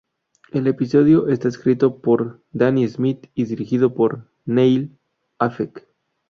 El episodio está escrito por Danny Smith y dirigido por Neil Affleck.